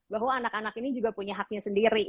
bahwa anak anak ini juga punya haknya sendiri